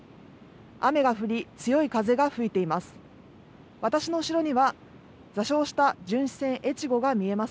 雨が降り、強い風が吹いています。